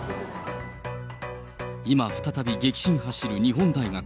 今、再び激震走る日本大学。